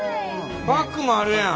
バッグもあるやん！